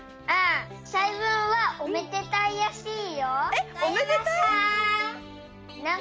えっおめでたい！？